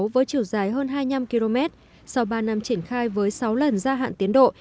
với chiều dài hơn hai mươi năm km sau ba năm triển khai với sáu lần gia hạn tiến độ